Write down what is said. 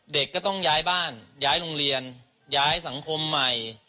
เด็กก็ต้องย้ายบ้านย้ายโรงเรียนย้ายสังคมใหม่